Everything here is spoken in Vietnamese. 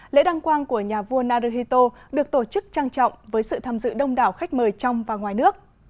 lễ đăng quang của nhà vua naruhito được tổ chức trang trọng với sự tham dự đông đảo khách mời trong và ngoài nước